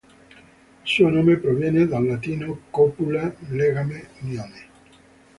Il suo nome proviene dal latino "copula", "legame", "unione".